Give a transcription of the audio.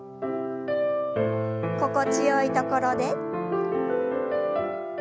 心地よいところで。